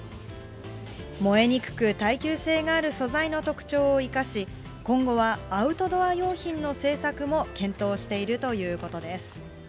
燃えにくく耐久性がある素材の特徴を生かし、今後はアウトドア用品の製作も検討しているということです。